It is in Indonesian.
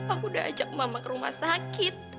aku udah ajak mama ke rumah sakit